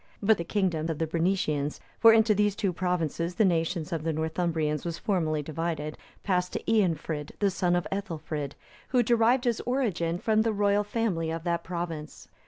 But the kingdom of the Bernicians—for into these two provinces the nation of the Northumbrians was formerly divided(282)—passed to Eanfrid, the son of Ethelfrid,(283) who derived his origin from the royal family of that province.